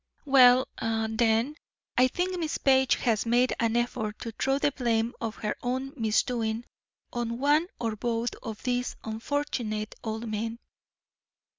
"Well, then, I think Miss Page has made an effort to throw the blame of her own misdoing on one or both of these unfortunate old men.